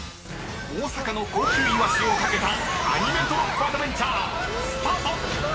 ［大阪の高級イワシを懸けたアニメトロッコアドベンチャースタート！］